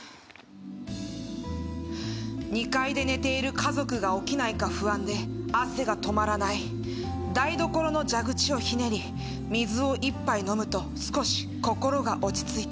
「２階で寝ている家族が起きないか不安で汗が止まらない」「台所の蛇口をひねり水を１杯飲むと少し心が落ち着いた」